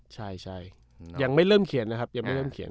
ใช่ยังไม่เริ่มเขียนนะครับยังไม่เริ่มเขียน